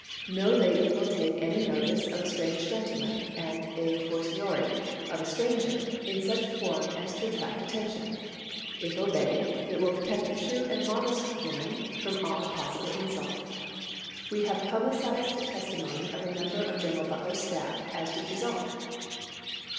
No lady will take any notice of a strange gentleman, and a fortiori of a stranger, in such form as to attract attention. .. If obeyed, it will protect the true and modest woman from all pos sible insult." We have the published testimony of a member of General Butler's staff as to the result.